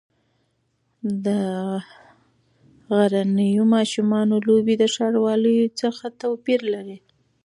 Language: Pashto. د غرنیو ماشومانو لوبې د ښاروالۍ څخه توپیر لري.